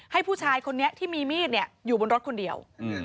ให้ผู้ชายคนนี้ที่มีมีดอยู่บนรถคนเดียว